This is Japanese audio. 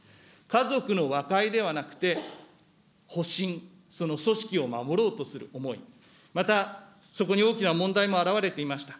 家族の和解ではなくて、保身、組織を守ろうとする思い、また、そこに大きな問題もあらわれていました。